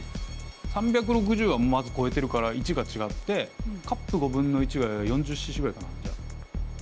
３６０はまず超えてるから①が違ってカップ５分の１が４０ｃｃぐらいかなじゃあ。